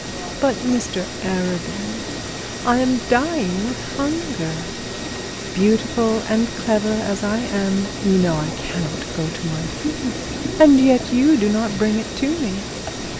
But, Mr Arabin, I am dying with hunger; beautiful and clever as I am, you know I cannot go to my food, and yet you do not bring it to me.'